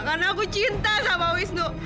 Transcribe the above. karena aku cinta sama wisnu